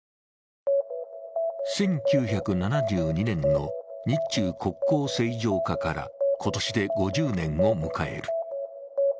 １９７２年の日中国交正常化から今年で５０年を迎える。